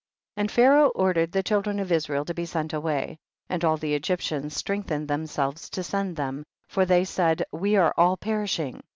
And Pharaoh ordered the children of Israel to be sent away, and all the Egyptians strengthened themselves to send them, for they said, we are all perishing.